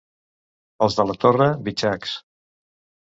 Els de la Torre, bitxacs.